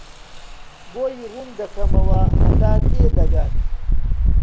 بۆی ڕوون دەکەمەوە هەتا تێدەگات.